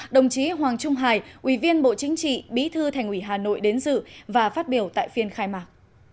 đồng chí hoàng trung hải ủy viên bộ chính trị bí thư thành ủy hà nội đến dự và phát biểu tại phiên khai mạc